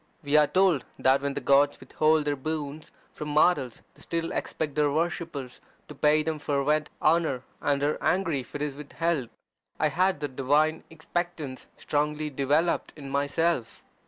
We are told that when the gods withhold their boons from mortals they still expect their worshippers to pay them fervent honour, and are angry if it is withheld. I had that divine expectance strongly developed in myself.